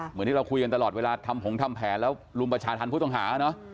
เพราะเราคุยกันตลอดเวลาทำหงษ์ทำแผนแล้วลุมประชาธรรมพุทธองหาเนอะ